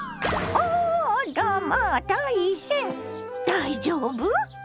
大丈夫？